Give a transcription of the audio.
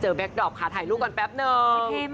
เจอแบ็คดอปค่ะถ่ายลูกก่อนแป๊บหนึ่ง